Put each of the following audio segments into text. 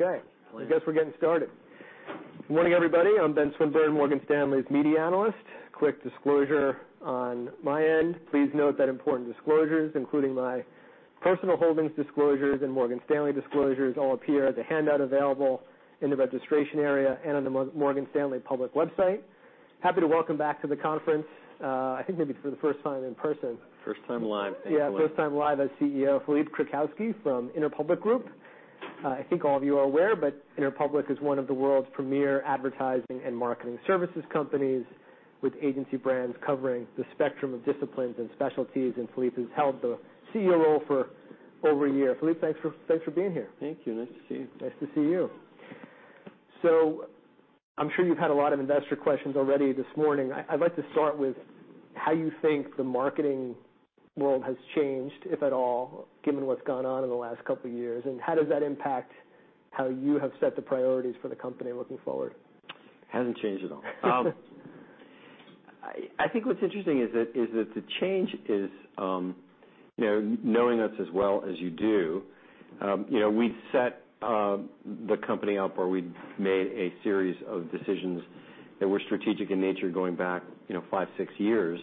Okay. I guess we're getting started. Good morning, everybody. I'm Ben Swinburne, Morgan Stanley's Media Analyst. Quick disclosure on my end: please note that important disclosures, including my personal holdings disclosures and Morgan Stanley disclosures, all appear as a handout available in the registration area and on the Morgan Stanley public website. Happy to welcome back to the conference, I think maybe for the first time in person. First time live. Thank you. Yeah. First time live as CEO, Philippe Krakowsky from Interpublic Group. I think all of you are aware, but Interpublic is one of the world's premier advertising and marketing services companies, with agency brands covering the spectrum of disciplines and specialties. Philippe has held the CEO role for over a year. Philippe, thanks for being here. Thank you. Nice to see you. Nice to see you. So I'm sure you've had a lot of investor questions already this morning. I'd like to start with how you think the marketing world has changed, if at all, given what's gone on in the last couple of years, and how does that impact how you have set the priorities for the company looking forward? Hasn't changed at all. I think what's interesting is that the change is knowing us as well as you do. We'd set the company up, or we'd made a series of decisions that were strategic in nature going back five, six years,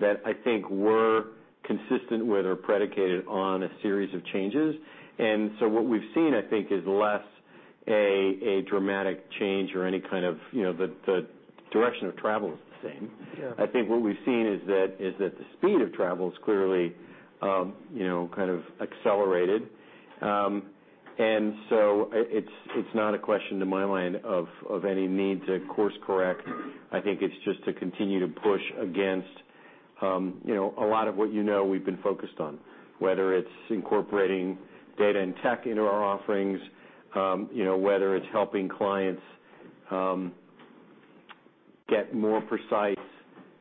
that I think were consistent with or predicated on a series of changes. And so what we've seen, I think, is less a dramatic change or any kind of the direction of travel is the same. I think what we've seen is that the speed of travel has clearly kind of accelerated. And so it's not a question to my mind of any need to course-correct. I think it's just to continue to push against a lot of what we've been focused on, whether it's incorporating data and tech into our offerings, whether it's helping clients get more precise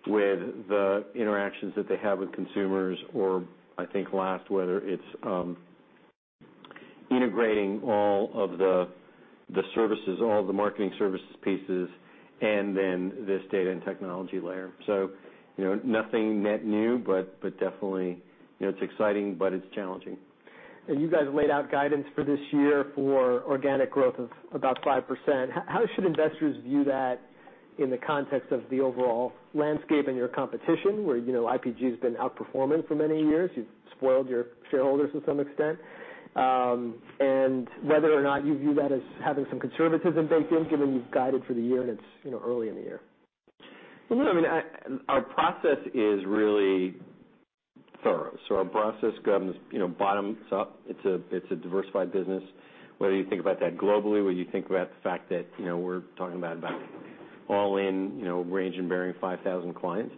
with the interactions that they have with consumers, or I think last, whether it's integrating all of the services, all of the marketing services pieces, and then this data and technology layer. So nothing net new, but definitely it's exciting, but it's challenging. You guys laid out guidance for this year for organic growth of about 5%. How should investors view that in the context of the overall landscape and your competition, where IPG has been outperforming for many years? You've spoiled your shareholders to some extent, and whether or not you view that as having some conservatism baked in, given you've guided for the year and it's early in the year? Well, no. I mean, our process is really thorough. So our process comes bottoms up. It's a diversified business, whether you think about that globally, whether you think about the fact that we're talking about all-in range and bearing 5,000 clients.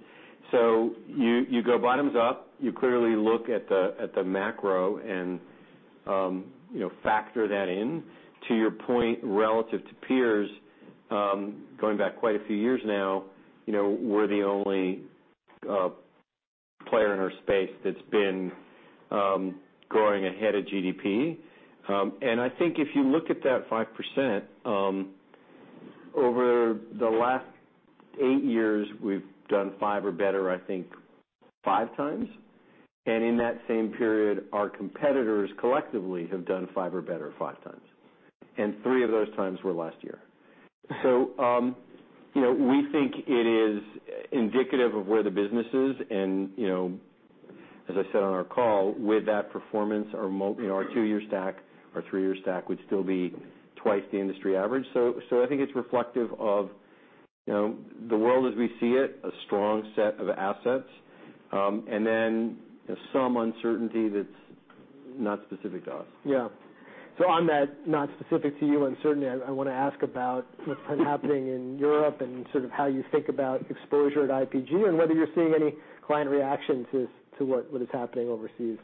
So you go bottoms up. You clearly look at the macro and factor that in. To your point, relative to peers, going back quite a few years now, we're the only player in our space that's been growing ahead of GDP. And I think if you look at that 5%, over the last eight years, we've done five or better, I think, five times. And in that same period, our competitors collectively have done five or better five times. And three of those times were last year. So we think it is indicative of where the business is. And as I said on our call, with that performance, our two-year stack, our three-year stack would still be twice the industry average. So I think it's reflective of the world as we see it, a strong set of assets, and then some uncertainty that's not specific to us. Yeah. So, on that, not specific to your uncertainty, I want to ask about what's been happening in Europe and sort of how you think about exposure to IPG and whether you're seeing any client reaction to what is happening overseas.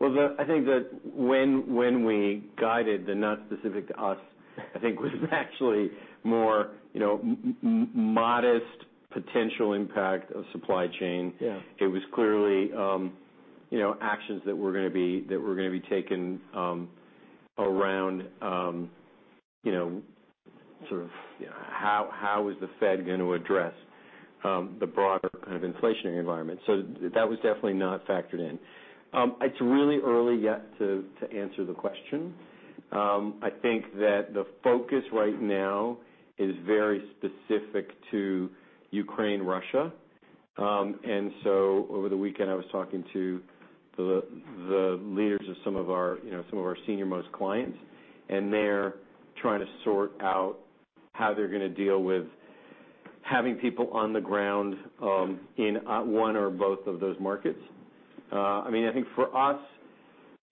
Well, I think that when we guided then not specific to us, I think was actually more modest potential impact of supply chain. It was clearly actions that were going to be taken around sort of how is the Fed going to address the broader kind of inflationary environment, so that was definitely not factored in. It's really early yet to answer the question. I think that the focus right now is very specific to Ukraine, Russia, and so over the weekend, I was talking to the leaders of some of our senior-most clients, and they're trying to sort out how they're going to deal with having people on the ground in one or both of those markets. I mean, I think for us,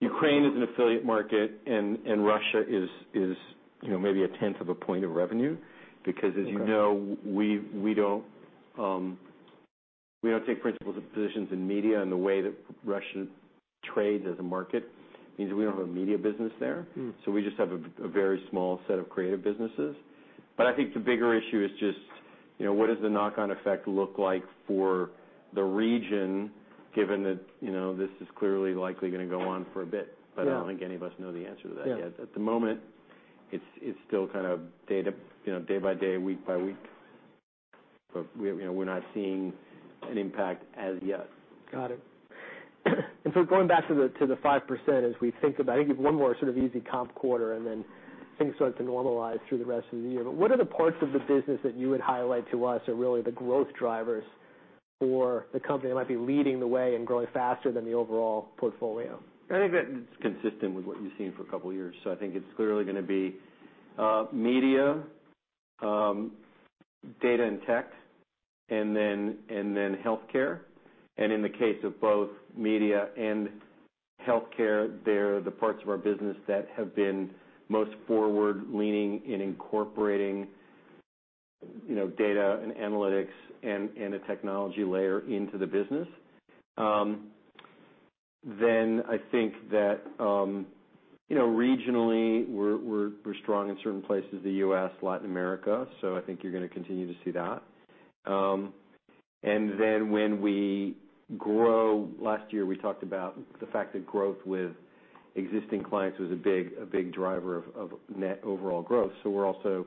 Ukraine is an affiliate market, and Russia is maybe a tenth of a point of revenue because, as you know, we don't take principal positions in media in the way that Russia trades as a market. It means we don't have a media business there. So we just have a very small set of creative businesses. But I think the bigger issue is just what does the knock-on effect look like for the region, given that this is clearly likely going to go on for a bit. But I don't think any of us know the answer to that yet. At the moment, it's still kind of day by day, week by week. But we're not seeing an impact as yet. Got it. And so going back to the 5%, as we think about, I think you have one more sort of easy comp quarter, and then things start to normalize through the rest of the year. But what are the parts of the business that you would highlight to us are really the growth drivers for the company that might be leading the way and growing faster than the overall portfolio? I think that it's consistent with what you've seen for a couple of years. So I think it's clearly going to be media, data and tech, and then healthcare. And in the case of both media and healthcare, they're the parts of our business that have been most forward-leaning in incorporating data and analytics and a technology layer into the business. Then I think that regionally, we're strong in certain places, the US, Latin America. So I think you're going to continue to see that. And then when we grow, last year, we talked about the fact that growth with existing clients was a big driver of net overall growth. So we're also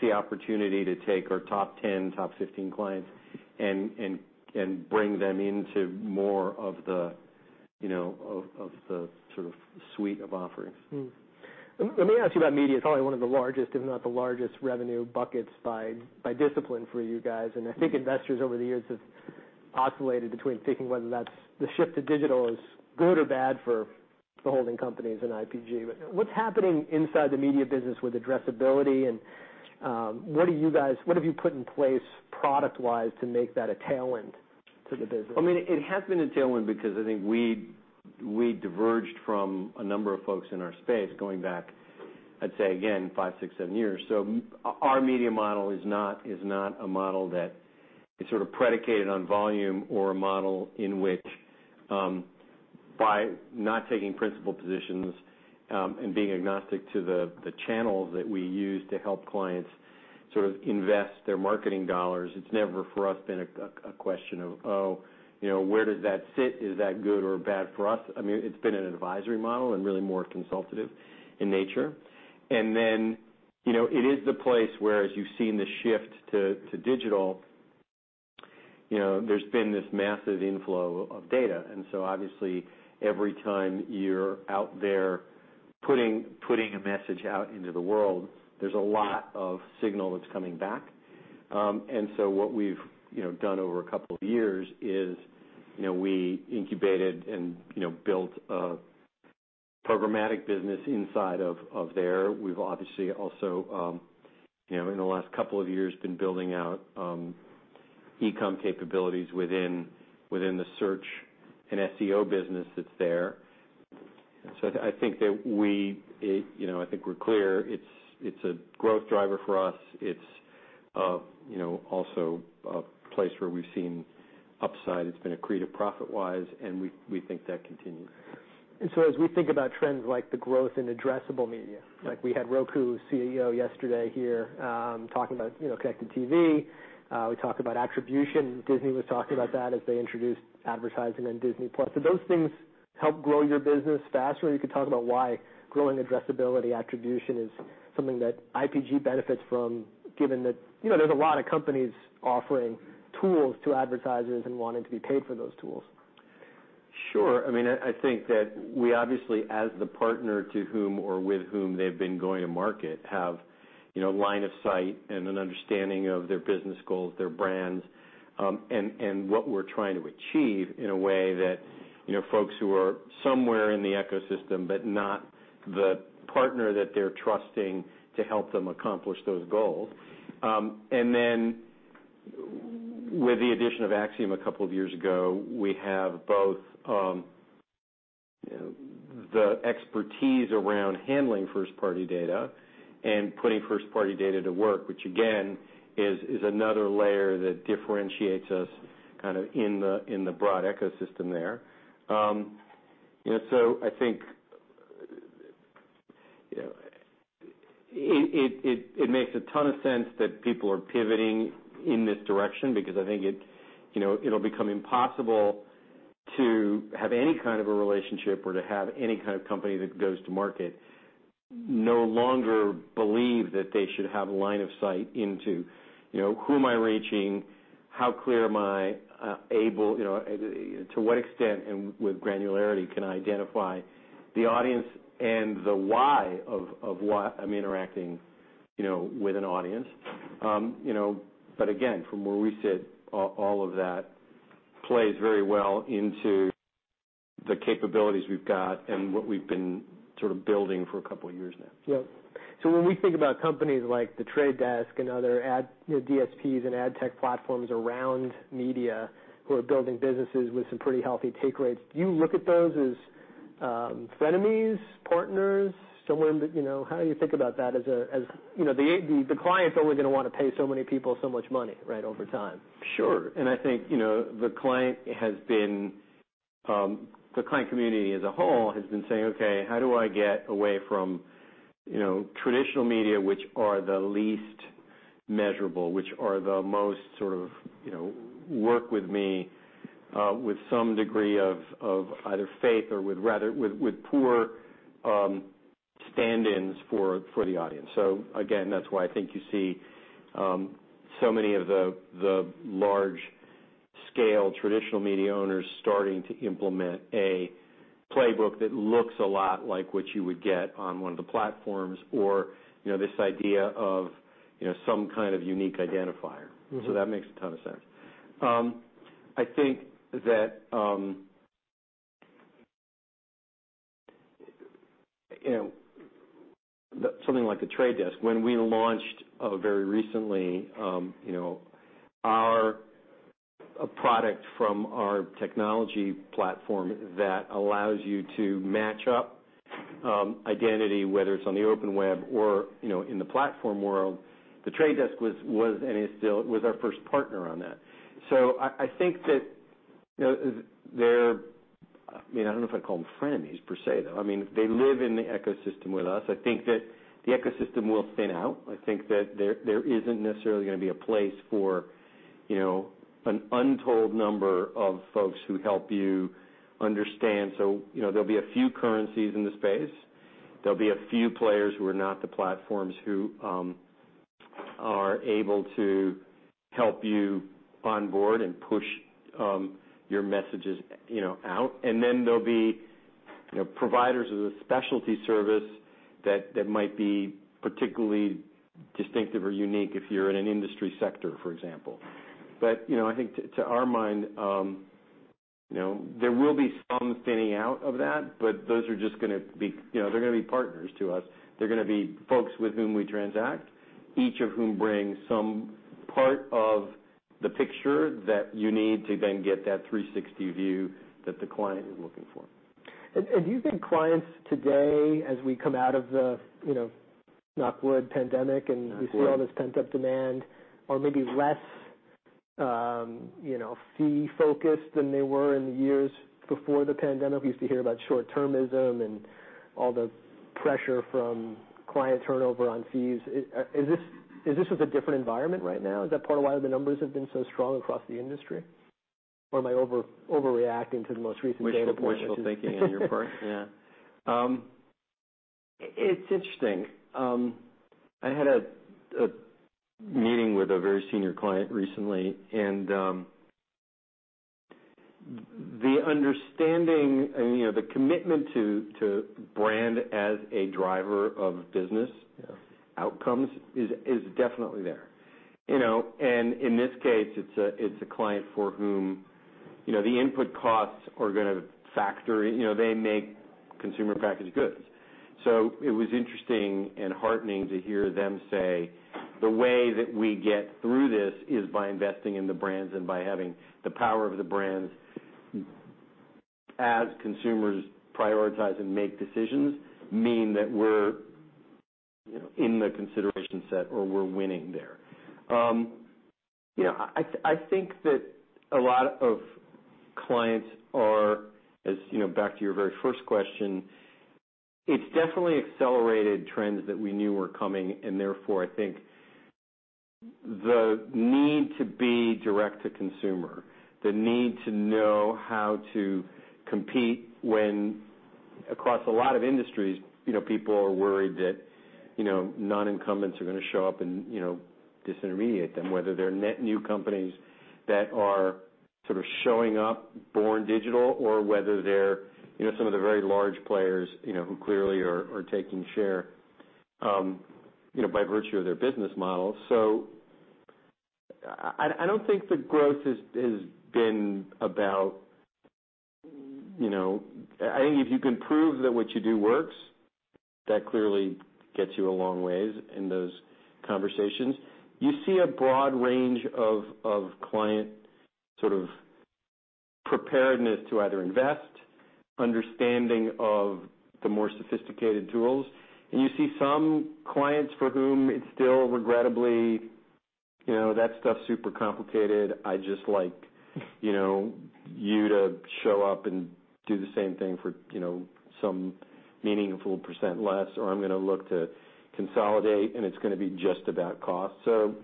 seeing opportunity to take our top 10, top 15 clients and bring them into more of the sort of suite of offerings. Let me ask you about media. It's probably one of the largest, if not the largest revenue buckets by discipline for you guys. And I think investors over the years have oscillated between thinking whether that's the shift to digital is good or bad for the holding companies and IPG. But what's happening inside the media business with addressability, and what have you put in place product-wise to make that a tailwind to the business? Well, I mean, it has been a tailwind because I think we diverged from a number of folks in our space going back, I'd say, again, five, six, seven years. So our media model is not a model that is sort of predicated on volume or a model in which, by not taking principal positions and being agnostic to the channels that we use to help clients sort of invest their marketing dollars, it's never for us been a question of, "Oh, where does that sit? Is that good or bad for us?" I mean, it's been an advisory model and really more consultative in nature. And then it is the place where, as you've seen the shift to digital, there's been this massive inflow of data. And so obviously, every time you're out there putting a message out into the world, there's a lot of signal that's coming back. And so what we've done over a couple of years is we incubated and built a programmatic business inside of there. We've obviously also, in the last couple of years, been building out e-comm capabilities within the search and SEO business that's there. So I think that we're clear. It's a growth driver for us. It's also a place where we've seen upside. It's been accretive profit-wise, and we think that continues. And so as we think about trends like the growth in addressable media, we had Roku CEO yesterday here talking about connected TV. We talked about attribution. Disney was talking about that as they introduced advertising on Disney+. Did those things help grow your business faster? Or you could talk about why growing addressability, attribution is something that IPG benefits from, given that there's a lot of companies offering tools to advertisers and wanting to be paid for those tools. Sure. I mean, I think that we obviously, as the partner to whom or with whom they've been going to market, have a line of sight and an understanding of their business goals, their brands, and what we're trying to achieve in a way that folks who are somewhere in the ecosystem but not the partner that they're trusting to help them accomplish those goals, and then with the addition of Acxiom a couple of years ago, we have both the expertise around handling first-party data and putting first-party data to work, which again is another layer that differentiates us kind of in the broad ecosystem there. So I think it makes a ton of sense that people are pivoting in this direction because I think it'll become impossible to have any kind of a relationship or to have any kind of company that goes to market no longer believe that they should have a line of sight into who am I reaching, how clear am I able, to what extent and with granularity can I identify the audience and the why of why I'm interacting with an audience. But again, from where we sit, all of that plays very well into the capabilities we've got and what we've been sort of building for a couple of years now. Yeah. So when we think about companies like The Trade Desk and other DSPs and ad tech platforms around media who are building businesses with some pretty healthy take rates, do you look at those as frenemies, partners, someone that how do you think about that as the client's only going to want to pay so many people so much money right over time? Sure. And I think the client community as a whole has been saying, "Okay, how do I get away from traditional media, which are the least measurable, which are the most sort of work with me with some degree of either faith or with poor stand-ins for the audience?" So again, that's why I think you see so many of the large-scale traditional media owners starting to implement a playbook that looks a lot like what you would get on one of the platforms or this idea of some kind of unique identifier. So that makes a ton of sense. I think that something like The Trade Desk, when we launched very recently our product from our technology platform that allows you to match up identity, whether it's on the open web or in the platform world, The Trade Desk was and is still our first partner on that. So I think that they're. I mean, I don't know if I'd call them frenemies per se, though. I mean, they live in the ecosystem with us. I think that the ecosystem will thin out. I think that there isn't necessarily going to be a place for an untold number of folks who help you understand. So there'll be a few currencies in the space. There'll be a few players who are not the platforms who are able to help you onboard and push your messages out. And then there'll be providers of the specialty service that might be particularly distinctive or unique if you're in an industry sector, for example. But I think to our mind, there will be some thinning out of that, but those are just going to be partners to us. They're going to be folks with whom we transact, each of whom brings some part of the picture that you need to then get that 360 view that the client is looking for. And do you think clients today, as we come out of the COVID pandemic and we see all this pent-up demand, are maybe less fee-focused than they were in the years before the pandemic? We used to hear about short-termism and all the pressure from client turnover on fees. Is this a different environment right now? Is that part of why the numbers have been so strong across the industry? Or am I overreacting to the most recent data reports? What's your point of thinking on your part? Yeah. It's interesting. I had a meeting with a very senior client recently, and the understanding and the commitment to brand as a driver of business outcomes is definitely there. And in this case, it's a client for whom the input costs are going to factor. They make consumer packaged goods. So it was interesting and heartening to hear them say, "The way that we get through this is by investing in the brands and by having the power of the brands as consumers prioritize and make decisions mean that we're in the consideration set or we're winning there." I think that a lot of clients are, as back to your very first question, it's definitely accelerated trends that we knew were coming. And therefore, I think the need to be direct to consumer, the need to know how to compete when across a lot of industries, people are worried that non-incumbents are going to show up and disintermediate them, whether they're net new companies that are sort of showing up born digital or whether they're some of the very large players who clearly are taking share by virtue of their business model. So I don't think the growth has been about I think if you can prove that what you do works, that clearly gets you a long ways in those conversations. You see a broad range of client sort of preparedness to either invest, understanding of the more sophisticated tools. And you see some clients for whom it's still regrettably, "That stuff's super complicated. I just like you to show up and do the same thing for some meaningful percent less," or, "I'm going to look to consolidate, and it's going to be just about cost." So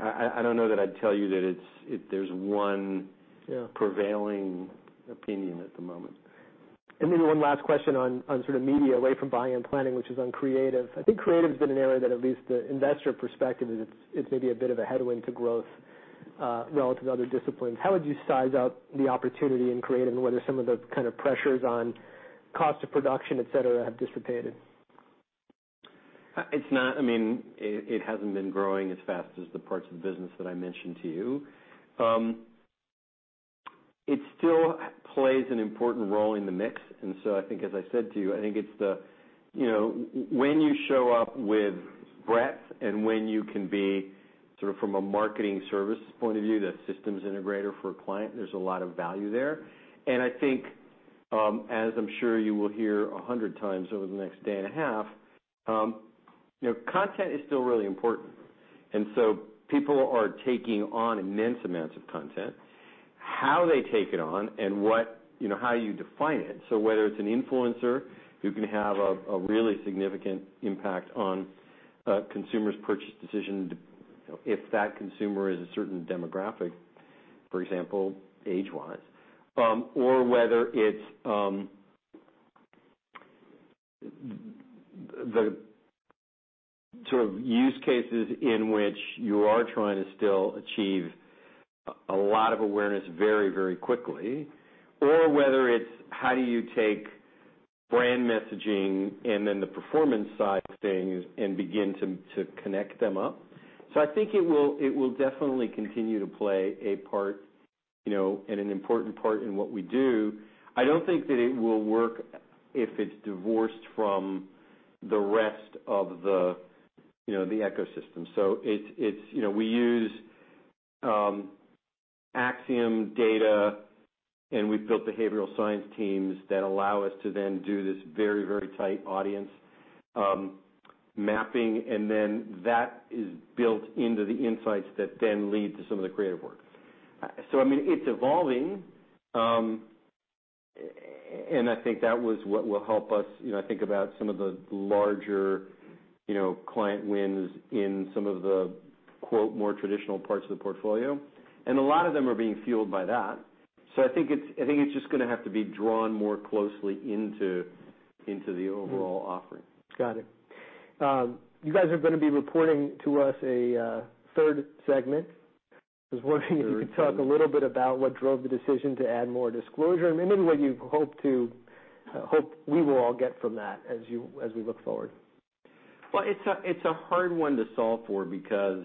I don't know that I'd tell you that there's one prevailing opinion at the moment. And then one last question on sort of media away from buying and planning, which is on creative. I think creative has been an area that at least the investor perspective is it's maybe a bit of a headwind to growth relative to other disciplines. How would you size out the opportunity in creative and whether some of the kind of pressures on cost of production, etc., have dissipated? I mean, it hasn't been growing as fast as the parts of the business that I mentioned to you. It still plays an important role in the mix. And so I think, as I said to you, I think it's the when you show up with breadth and when you can be sort of from a marketing service point of view, the systems integrator for a client, there's a lot of value there. And I think, as I'm sure you will hear a hundred times over the next day and a half, content is still really important. And so people are taking on immense amounts of content. How they take it on and how you define it, so whether it's an influencer who can have a really significant impact on a consumer's purchase decision if that consumer is a certain demographic, for example, age-wise, or whether it's the sort of use cases in which you are trying to still achieve a lot of awareness very, very quickly, or whether it's how do you take brand messaging and then the performance side of things and begin to connect them up. So I think it will definitely continue to play a part and an important part in what we do. I don't think that it will work if it's divorced from the rest of the ecosystem. So we use Acxiom data, and we've built behavioral science teams that allow us to then do this very, very tight audience mapping. And then that is built into the insights that then lead to some of the creative work. So I mean, it's evolving, and I think that was what will help us think about some of the larger client wins in some of the "more traditional" parts of the portfolio. And a lot of them are being fueled by that. So I think it's just going to have to be drawn more closely into the overall offering. Got it. You guys are going to be reporting to us a third segment. I was wondering if you could talk a little bit about what drove the decision to add more disclosure and maybe what you hope we will all get from that as we look forward. It's a hard one to solve for because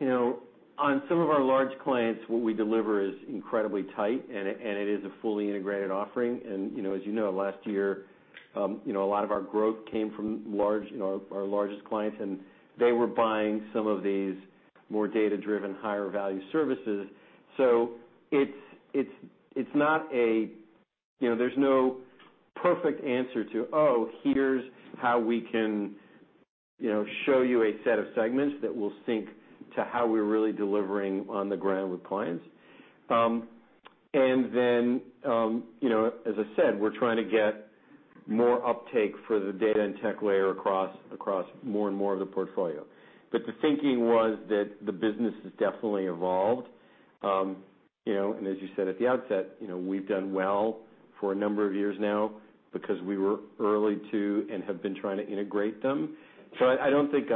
on some of our large clients, what we deliver is incredibly tight, and it is a fully integrated offering, and as you know, last year, a lot of our growth came from our largest clients, and they were buying some of these more data-driven, higher-value services. So it's not that there's no perfect answer to, "Oh, here's how we can show you a set of segments that will sync to how we're really delivering on the ground with clients." And then, as I said, we're trying to get more uptake for the data and tech layer across more and more of the portfolio, but the thinking was that the business has definitely evolved, and as you said at the outset, we've done well for a number of years now because we were early to and have been trying to integrate them. I don't think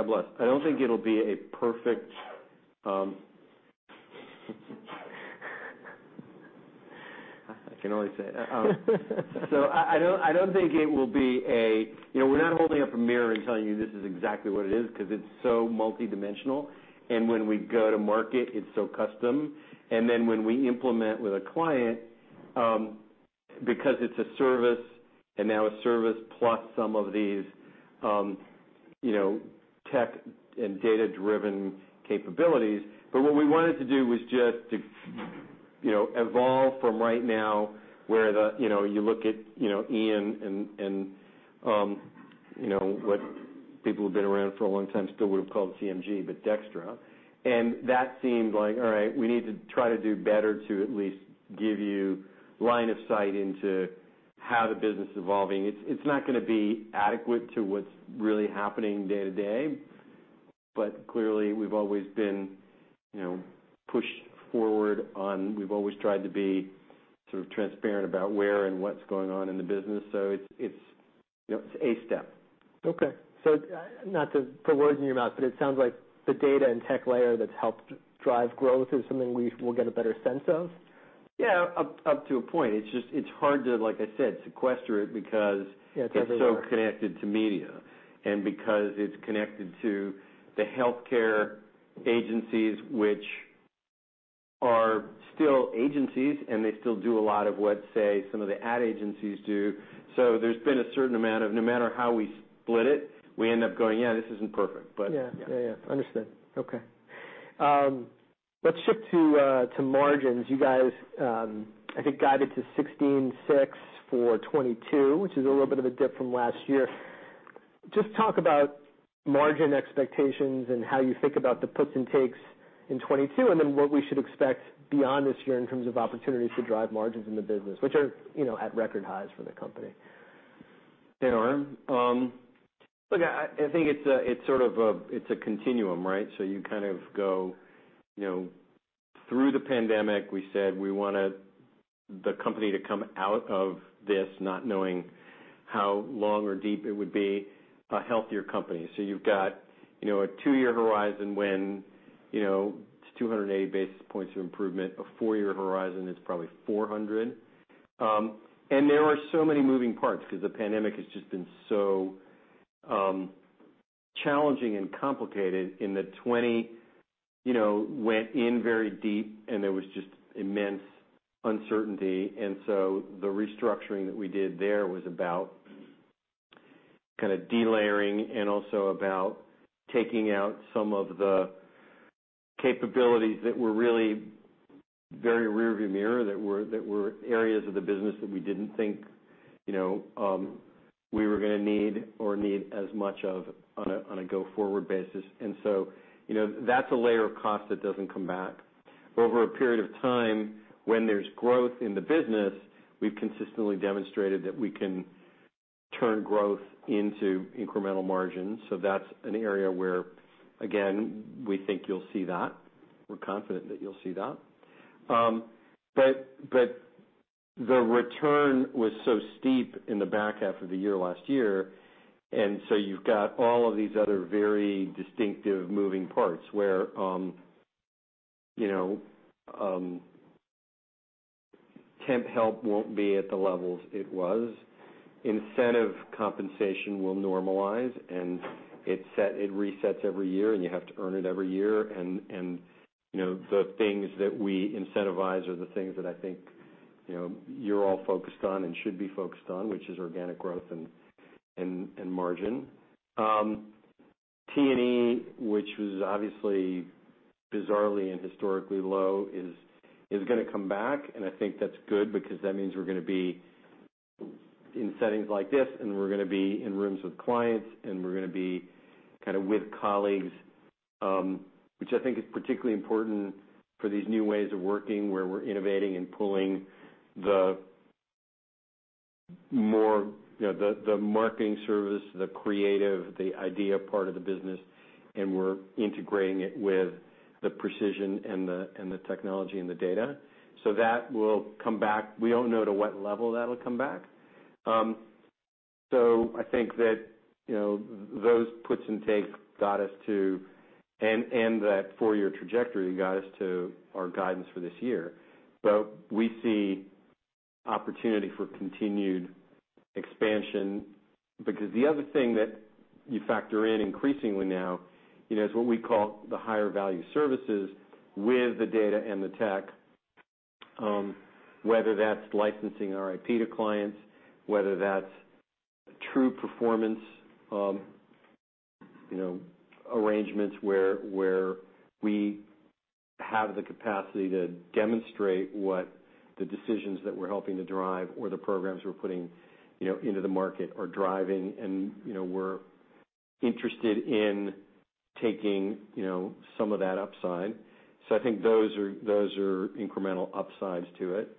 it'll be a perfect. I can only say. We're not holding up a mirror and telling you this is exactly what it is because it's so multidimensional. And when we go to market, it's so custom. And then when we implement with a client because it's a service and now a service plus some of these tech and data-driven capabilities. But what we wanted to do was just to evolve from right now where you look at IPG and what people who've been around for a long time still would have called CMG, but DXTRA. And that seemed like, "All right, we need to try to do better to at least give you line of sight into how the business is evolving." It's not going to be adequate to what's really happening day to day. But clearly, we've always been pushed forward on. We've always tried to be sort of transparent about where and what's going on in the business. So it's a step. Okay. Not to put words in your mouth, but it sounds like the data and tech layer that's helped drive growth is something we will get a better sense of. Yeah, up to a point. It's hard to, like I said, sequester it because it's so connected to media and because it's connected to the healthcare agencies, which are still agencies, and they still do a lot of what, say, some of the ad agencies do. So there's been a certain amount of no matter how we split it, we end up going, "Yeah, this isn't perfect." But yeah. Yeah, yeah, yeah. Understood. Okay. Let's shift to margins. You guys, I think, guided to 16.6% for 2022, which is a little bit of a dip from last year. Just talk about margin expectations and how you think about the puts and takes in 2022 and then what we should expect beyond this year in terms of opportunities to drive margins in the business, which are at record highs for the company. They are. Look, I think it's sort of, it's a continuum, right? So you kind of go through the pandemic. We said we wanted the company to come out of this not knowing how long or deep it would be a healthier company. So you've got a two-year horizon when it's 280 basis points of improvement. A four-year horizon is probably 400, and there are so many moving parts because the pandemic has just been so challenging and complicated in that 2020 went in very deep, and there was just immense uncertainty, and so the restructuring that we did there was about kind of delayering and also about taking out some of the capabilities that were really very rearview mirror that were areas of the business that we didn't think we were going to need or need as much of on a go-forward basis. And so that's a layer of cost that doesn't come back. Over a period of time when there's growth in the business, we've consistently demonstrated that we can turn growth into incremental margins. So that's an area where, again, we think you'll see that. We're confident that you'll see that. But the return was so steep in the back half of the year last year. And so you've got all of these other very distinctive moving parts where temp help won't be at the levels it was. Incentive compensation will normalize, and it resets every year, and you have to earn it every year. And the things that we incentivize are the things that I think you're all focused on and should be focused on, which is organic growth and margin. T&E, which was obviously bizarrely and historically low, is going to come back. And I think that's good because that means we're going to be in settings like this, and we're going to be in rooms with clients, and we're going to be kind of with colleagues, which I think is particularly important for these new ways of working where we're innovating and pulling the more the marketing service, the creative, the idea part of the business, and we're integrating it with the precision and the technology and the data, so that will come back. We don't know to what level that'll come back, so I think that those puts and takes got us to, and that four-year trajectory got us to our guidance for this year. But we see opportunity for continued expansion because the other thing that you factor in increasingly now is what we call the higher-value services with the data and the tech, whether that's licensing IP to clients, whether that's true performance arrangements where we have the capacity to demonstrate what the decisions that we're helping to drive or the programs we're putting into the market are driving. And we're interested in taking some of that upside. So I think those are incremental upsides to it.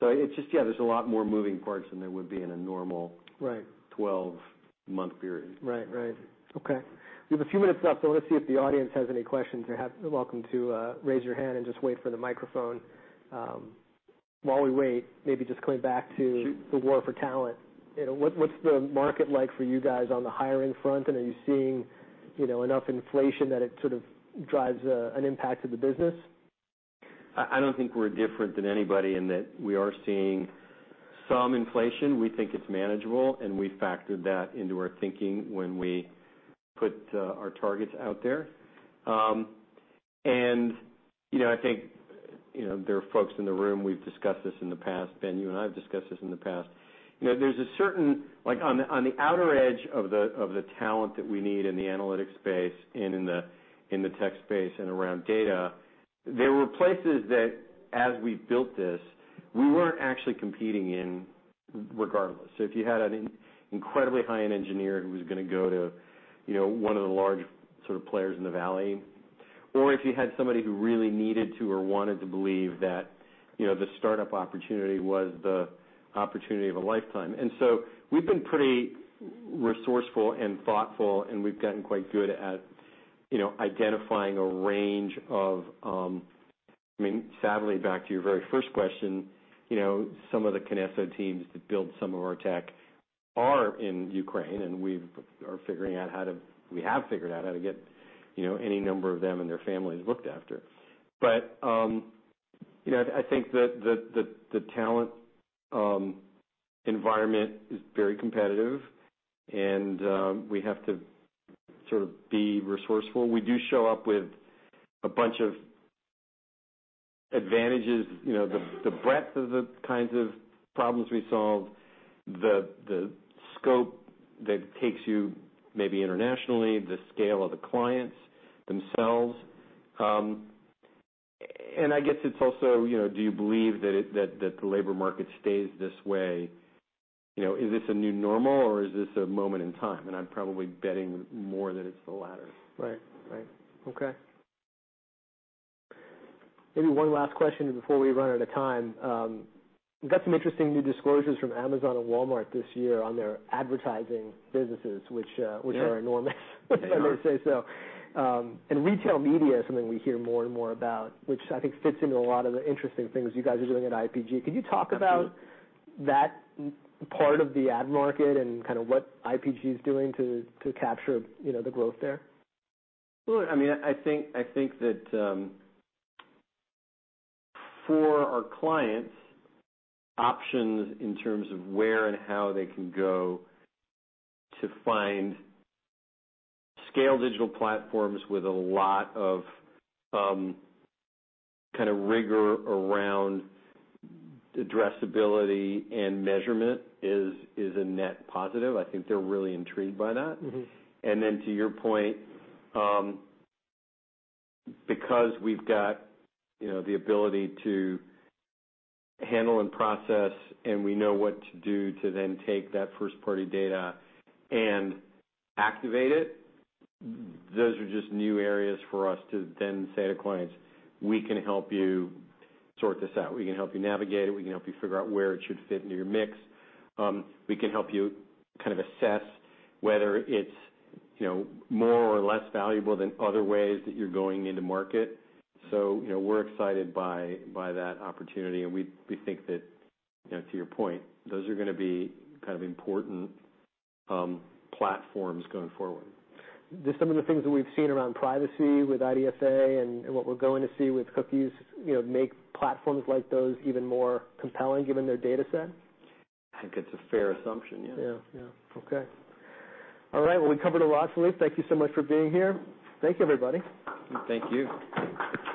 So it's just, yeah, there's a lot more moving parts than there would be in a normal 12-month period. Right, right. Okay. We have a few minutes left, so I want to see if the audience has any questions. You're welcome to raise your hand and just wait for the microphone. While we wait, maybe just coming back to the war for talent. What's the market like for you guys on the hiring front, and are you seeing enough inflation that it sort of drives an impact to the business? I don't think we're different than anybody in that we are seeing some inflation. We think it's manageable, and we factored that into our thinking when we put our targets out there, and I think there are folks in the room. We've discussed this in the past. Ben, you and I have discussed this in the past. There's a certain on the outer edge of the talent that we need in the analytics space and in the tech space and around data, there were places that, as we built this, we weren't actually competing in regardless, so if you had an incredibly high-end engineer who was going to go to one of the large sort of players in the Valley, or if you had somebody who really needed to or wanted to believe that the startup opportunity was the opportunity of a lifetime. And so we've been pretty resourceful and thoughtful, and we've gotten quite good at identifying a range of, I mean, sadly, back to your very first question, some of the Kinesso teams that build some of our tech are in Ukraine, and we have figured out how to get any number of them and their families looked after. But I think that the talent environment is very competitive, and we have to sort of be resourceful. We do show up with a bunch of advantages: the breadth of the kinds of problems we solve, the scope that takes you maybe internationally, the scale of the clients themselves. And I guess it's also, do you believe that the labor market stays this way? Is this a new normal, or is this a moment in time? And I'm probably betting more that it's the latter. Right, right. Okay. Maybe one last question before we run out of time. We've got some interesting new disclosures from Amazon and Walmart this year on their advertising businesses, which are enormous, I may say so. And retail media is something we hear more and more about, which I think fits into a lot of the interesting things you guys are doing at IPG. Could you talk about that part of the ad market and kind of what IPG is doing to capture the growth there? Well, I mean, I think that for our clients, options in terms of where and how they can go to find scale digital platforms with a lot of kind of rigor around addressability and measurement is a net positive. I think they're really intrigued by that. And then, to your point, because we've got the ability to handle and process, and we know what to do to then take that first-party data and activate it, those are just new areas for us to then say to clients, "We can help you sort this out. We can help you navigate it. We can help you figure out where it should fit into your mix. We can help you kind of assess whether it's more or less valuable than other ways that you're going into market, so we're excited by that opportunity, and we think that, to your point, those are going to be kind of important platforms going forward. Some of the things that we've seen around privacy with IDFA and what we're going to see with cookies make platforms like those even more compelling given their dataset? I think it's a fair assumption, yeah. Yeah, yeah. Okay. All right. Well, we covered a lot, Philippe. Thank you so much for being here. Thank you, everybody. Thank you.